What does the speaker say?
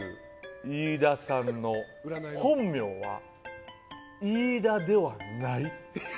飯田さんの本名は飯田ではない。